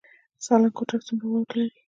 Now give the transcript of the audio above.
سالنګ کوتل څومره واوره لري؟